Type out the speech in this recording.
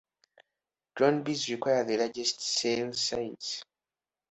Drone bees require the largest cell size.